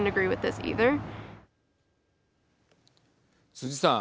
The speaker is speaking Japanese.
辻さん。